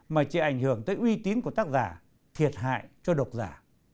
mà chỉ ảnh hưởng tới uy tín của tác giả thiệt hại cho độc giả